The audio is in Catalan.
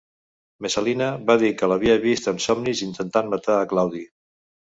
Messalina va dir que l'havia vist en somnis intentant matar a Claudi.